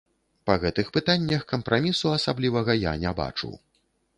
Па гэтых пытаннях кампрамісу асаблівага я не бачу.